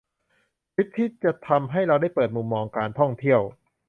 ทริปที่จะทำให้เราได้เปิดมุมมองการท่องเที่ยว